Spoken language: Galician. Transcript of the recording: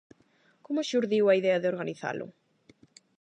Como xurdiu a idea de organizalo?